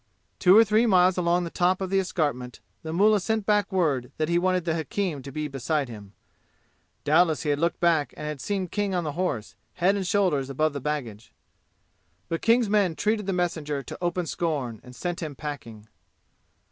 Two or three miles along the top of the escarpment the mullah sent back word that he wanted the hakim to be beside him. Doubtless he had looked back and had seen King on the horse, head and shoulders above the baggage. But King's men treated the messenger to open scorn and sent him packing.